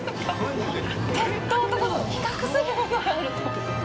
鉄塔と、比較するものがあると。